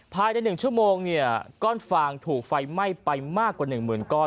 ภายใน๑ชั่วโมงเนี่ยก้อนฟางถูกไฟไหม้ไปมากกว่า๑หมื่นก้อน